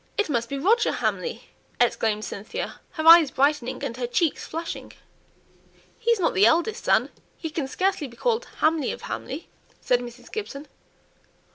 "It must be Roger Hamley!" exclaimed Cynthia, her eyes brightening, and her cheeks flushing. "He's not the eldest son; he can scarcely be called Hamley of Hamley!" said Mrs. Gibson.